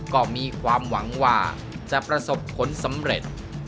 ก็มีความหวังว่าจะประสบผลสำเร็จ